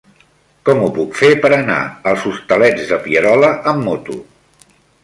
Com ho puc fer per anar als Hostalets de Pierola amb moto?